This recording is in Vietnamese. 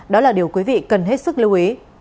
đó là điều quý vị cần hết sức lưu ý